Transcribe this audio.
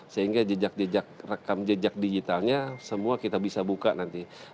sehingga jejak jejak rekam jejak digitalnya semua kita bisa buka nanti